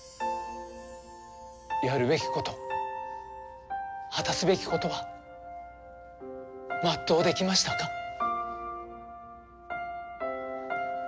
やるべきこと果たすべきことは全うできましたか？